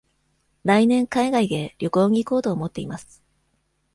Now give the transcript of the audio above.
来年海外へ旅行に行こうと思っています。